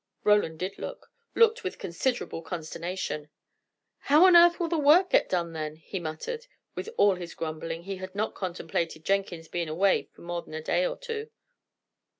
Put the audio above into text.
Roland did look, looked with considerable consternation. "How on earth will the work get done, then?" he muttered. With all his grumbling, he had not contemplated Jenkins being away more than a day or two.